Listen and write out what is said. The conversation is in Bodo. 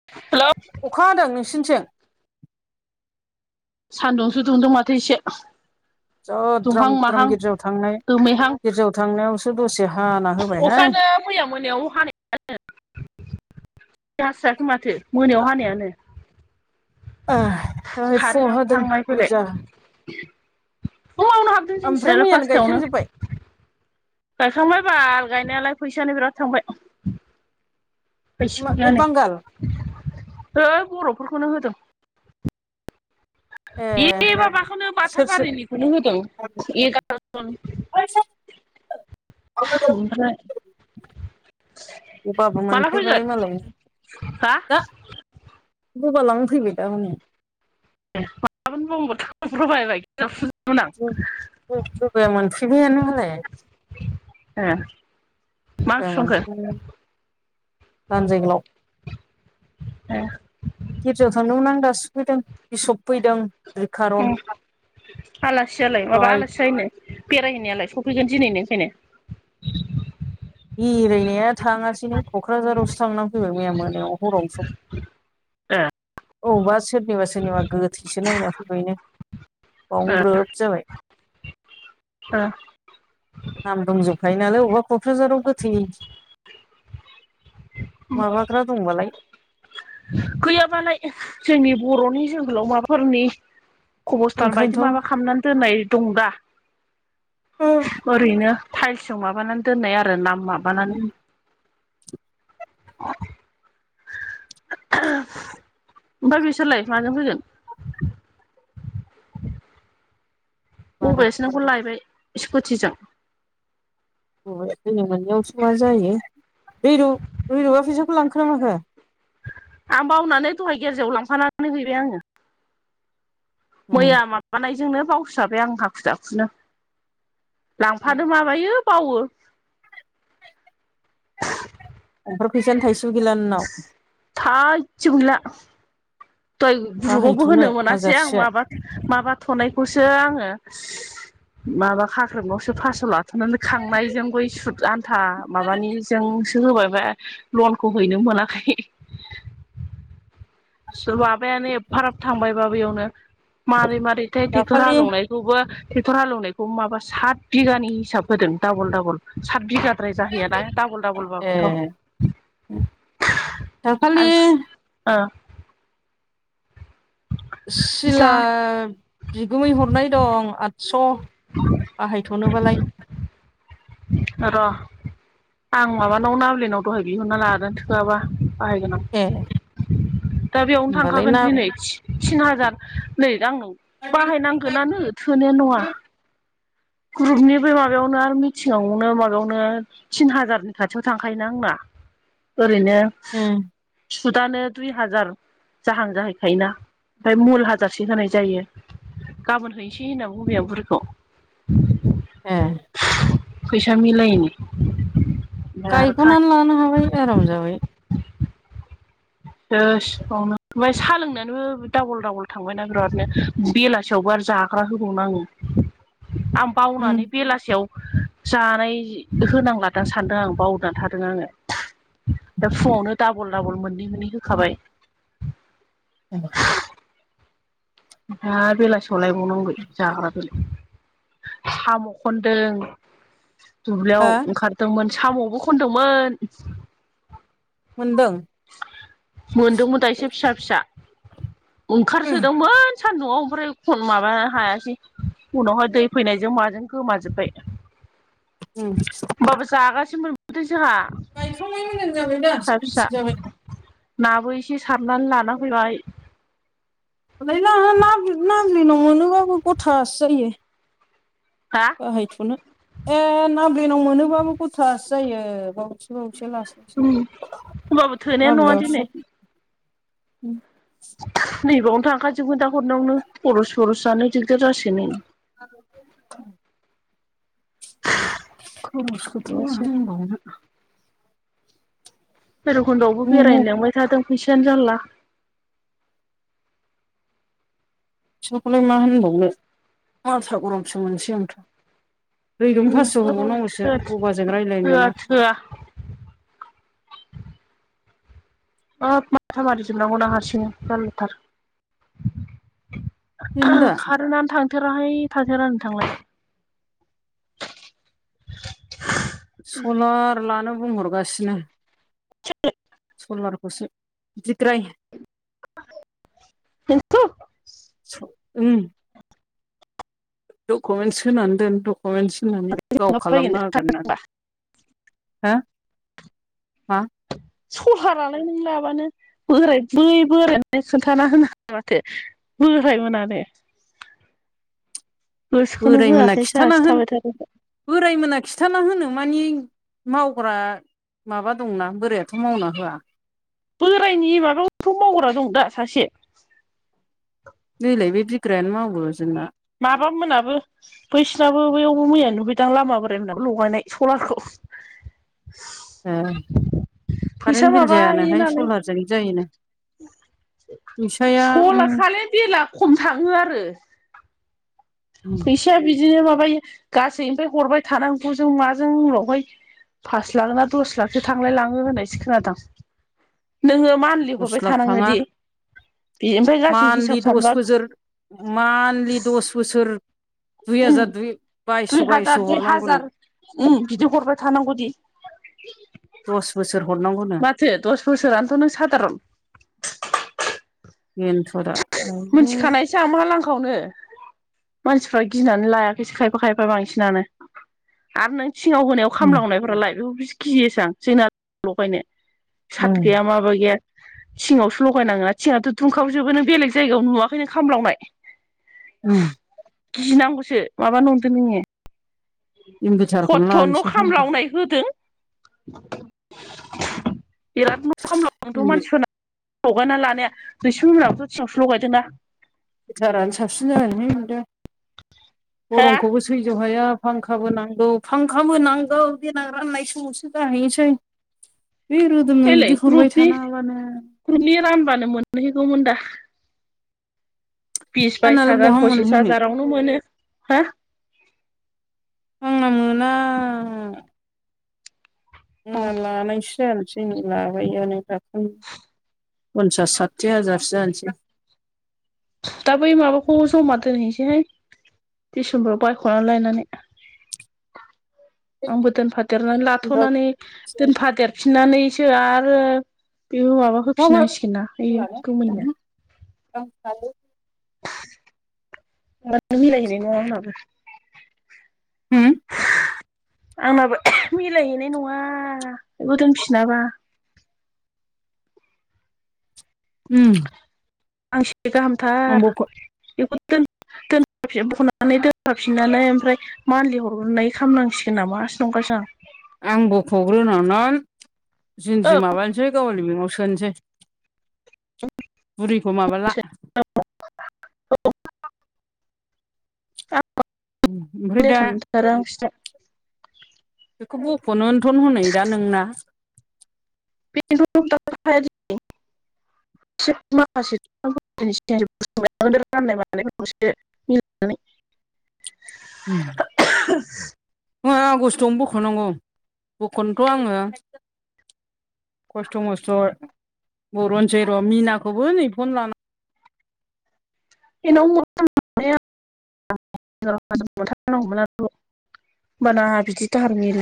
हेल'? अखा हादों नोंसिनिथिं? सान्दुंसो दुंदों माथो एसे। जा दुंहां द्राम माहां द्राम गिर्जायाव थांनाय दोमैहां गिर्जायाव थांनायावसो दसे हाना होबायहाय। अखायानो मैया मोनायाव हानाय गारस्रायाखै माथो मोनायाव हानायानो। ओइ फुङाव कारेन्टआबो हादों थांलाय फैलाय। गिर्जा फुङावनो हाबदों ओमफ्राय जोंनिथिंजायना मैयानो फास्थायावनो। गायखांजोब्बाय गायखांबाय बाल गायनायालाय फैसायानो बिराद थांबाय। [unintelligible] मा हो ए बांगाल बर'फोरखौनो होदों। ए माबाखौनो बाथा सोर सोर बारिनिखौनो होदों एगार'जन। ओमफ्राय गगाबो माला फैगोन मोनफैबाय मालाय, हा गगा लानानै फैबाय दा हनै। [unintelligible] बबाया मोनफैबायानो मालाय [unintelligible] मा [unintelligible] ओंख्रि संखो लानजाम गोलाव ए गिर्जायाव थांनो मोन आं दासो सोफैदों बिसब फैदों। अ रिखारन आलासियालाय माबा फ्राय आलासि लायनो बेरायहैनायालाय सफैगोन दिनैनो ओमफायनो इरायनाया थाङासैनो क'क्राझारावसो थांनानै फैबाय मैया मोनायाव हरावनो सो ए अबावबा सोरनिबा सोरनिबा गोथैसो नायना फैबायनो बावनो ग्रोब जाबाय। ओ नाम दंजोबखायो नालाय अबेबा क'क्राझाराव गोथै माबाग्रा दंबालाय गैयाबालाय जोंनि बर'नि जोहोलाव माबाफोरनि अबस्थान बायदि ओंखायनोथ' माबा खालामनानै दोननाय दं दा ओरैनो फाइल्सजों माबानानै दोननाय आरो नामाम बानानै ओमफ्राय बिसोरलाय माजों फैगोन? बारा अबायासो नोंखौ लायबाय स्कुटिजों। [unintelligible] मा जायो दैरु दैरबा फैसाखौ लांखोना माखो? आं बावनानै दहाय गेर्जायाव लांफानानै हैबाय आङो उम मैया माबानायजोंनो बावस्राबाय आं हाखु दाखुनो। लांफादो माबायो बावो ओमफ्राय फैसायानो थाइसेबो गैला नोंनाव थायसेबो गैला दहाय ग्रुबावबो बाहायथ'नो होनो मोनासै आं हाजारसेया माबा माबा थ'नायखौसो आङो माबा खाख्रेबनावसो फासस' ला थनानै खांनायजों बै सुद आन्था माबानिजों होबायबा लनखौ हैनो मोनाखै माबायानो एफाराब थांबाय बा बेयावनो मारै मारैथाय ट्रेक्टर दाखालि हालौनाय खौबो ट्रेक्टर हालौनायखौबो माबा सात बिगानि हिसाब होदों दाबल दाबल सात बिघा द्राय जाहैया ना डाबल ए डाबलबाबोथ' दाखालि आरो ओ सिला जा बिगुमै हरनाय दं आदस' बाहायथ नोबोलाय र' आं माबानाव नाब्लिनाव दहाय बिहरना लादों थोआबा बाहायगोन आं ए दा बेयावनो होनबालाय थांखागोन ना दिनै थि-थिन हाजार नै दा आंनो बाहायनांगोनानो थोनायानो नङा ग्रुपनि बै माबायावनो आरो मिथिंआवनो माबायावनो थिन हाजारनि खाथियाव थांखायोना आंना ओरैनो उम सुदानो दुइ हाजार जाहां जाहैखायोना ओमफ्राय मुल हाजारसे होनाय जायो। गाबोन हैसै होनना बुंबाय आं बुरिखौ [inaudible] ए फैसा मिलायिनि गायख'ना लानो हाबाय आराम जाबाय। दसेबावनो ओमफ्राय साह लोंनानैबो दाबल दाबल थांबाय ना बिरादनो बेलासियावबो आरो जाग्रा होबावनागौ आं उम बावनानै बेलासियाव जानाय होनांला दां सानदों आंङो बावना थादों आङो। दा फुङावनो डाबल डाबल मोननै मोननै होखाबाय। अ [inaudible] दा बेलासियाव लायबावनांगौन जाग्राफोर। [inaudible] साम' खनदों दुब्लियाव हो ओंखार दोंमोन साम'बो खनदोमोन। मोनदों? मोनदोंमोन दा एसे फिसा फिसा ओंखारसोदोंमोन। सान्दुंआव ओमफ्राय खन माबा हायासै। उनावहाय दै फैनायजों माजों गोमाजोबबाय। उम बाबो जागासे मोनबोदो जाहा। गायखांबाय मोजां जाबाय दा सान्थि जाबाय। नाबो एसे सारनानै लाना फैबाय। [unintelligible] हा? बाहायथ'नो ए नाब्लेनाव मोनोबाबो गथासो जायो बावैसो बावैसो लास होमबाबो थोनायानो नङा दिनै [unintelligible] नैबाव थांखाजोबगोन दा हरनायावनो खरस सरस जानो दिगदार जासिगोनै। [inaudible] खरसखौथ' मा होनबावनो। भैरबखुन्दआवबो बेरायनो लेंबाय थादों फैसायानो जाल्ला। फैसाखौलाय मा होनबावनो माथा गरमसो मोनसै आं। रैरुबनो फास्स' होबावनांगौसो गबाजों रायलायनो मोना। होआ ओत माथा मारि जोबनांगौना हारसिं जारलाथार। बेनो दा खारोनानो थां थोराहाय थाथेरानो थांला सलार लानो बुंहरगासिनो। [inaudible] सलारखौसो बिग्राय [unintelligible] [unintelligible] उम डकुमेन्टस होनानै दोन डकुमेन्टस होनानै गाव माबाबायगोन खालामना होगोन होनना। हा? सहारालाय नों लाबानो बोराय बै बोरायानो खोन्थाना होनो [inaudible] माथो। बोरायमोनानो। गोसोखोनो बोराय मोना होआखै खिन्थाना जोहासो होनो थाबाय थादो दा। बोराय मोना खिथाना होनो मानि मावग्रा माबा दंना बोरायाथ' मावना होआ। बोरायनि माबायावथ' मावग्रा दं दा सासे। नैलाय बे बिग्रायानो मावो जोंना। माबा मोनाबो बैसिनाबो बैयावबो मैया नुुहैदां लामा बोराय मोनाबो लगायनाय सलारखौ। ए फैसा कारेन्ट बिल माबायो जायानोहाय नालाय सलारजों जायोनो। फैसाया सला खाले बिला खम थाङो आरो। फैसाया बिदिनो माबायो गासै ओमफाय हरबाय थानांगौ जों माजों उनावहाय फास लाख ना दस लाखसो थांलाय लाङो होननायसो खोनादां नोङो मान लि दस हरबाय थानाङोदि। मानलि दस बोजोर मानलि दस बोसोर दुइ उम हाजार दुइ बायस' दुइ बायस' हाजार दुइ हरनांगौनो हाजार उम बिदि हरबाय थानांगौदि। आ दस बोसोर हरनांगौनो माथो दस बोसोरानोथ' नों सादारन बेनोथ' दा आयु मिथिखानायसो आं मा लांखायावनो मानसिफ्रा गिनानै लायाखैसो खायफा खायफा बांसिनानो आरो नों थिङाव होनायाव खामलांनायफोरालाय बेखौ बि गियोसो आं जोंना लगायनो सात गैया माबा गैया थिङावसो लगायनाङोना थिङाथ' दुंखावजोबो नों बेलेग जायगायाव नुवाखै नों खामलावनाय उम गिनांगौसो माबा नंदो नोङो इनभारटारखौनो खथ' न' लानोसै होनबा खामलावनाय होदों बिराद न' खामलावजोबदों मानसिफोरना लगायना लानाया रैसुमै मोनाबोथ' थिङावसो लगायदोंना हिथारानो साबसिन जैदा हो गरमखौबो थैज' हाया फांखाबो नांगौ फांखाबो नांगौ देनां राननाय समावसो जाहैनोसै [unintelligible] बे रोदोनो बिदि हरबाय थानाङाबानो खुरनि रानबानो मोनहैगौमोन दा बिस बाइस आंनालाय हाजार बहा फसिस मोनहैनो हाजारावनो मोनो हा आंना मोना बुंना लानायस जानोसै न लाबायो नों दाखै पन्सास साथि हाजारसो जानोसै दा बै माबाखौ जमा दोनहैसैहाय डिसेम्बराव बायख'नानै लायनानै आंबो दोनफादेरनानै लाथ'नानै दोनफा देरफिननानैसो आरो बे माबा होम होफिननांसिगोन ना बेयो गोमोननिया [unintelligible] मिलायहैनाय नङा आंनाबो होम आंनाबो मिलायहैनाय नङा बेबो दोनफिनाबा उम फांसे गाहामथार बख' बेखौ दोन दोन बनानै दोनफाफिननानै ओमफ्राय मानलि हरग्रोनाय खालामनांसिगोन नामा नंगासोनि आं आं बख'ग्रोनानैनानै औ जिनद्रि माबानोसै गावालि बेंगाव सोनोसै बुरैखौ माबाला [unintelligible] [unintelligible] ओमफ्राय दा बिसिनाव बेखौ बख'नोथन हनै दा नोंना [unintelligible] एसे माखासे सिगां बुसदो राननाय मानाय फोरखौसो उम आगस्टावनो बख'नांगौ बख'नोथ' आङो खस्थ' मस्थ' बर'नोसै र' मिनाखौबो नै फन लानानै [unintelligible] मोनारनांगौमोनथ' होमबाना आहा बिदि दाहारनिल